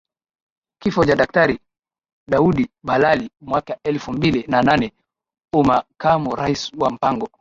kifo cha Daktari Daudi Balali mwaka elfu mbili na naneUmakamu Rais wa Mpango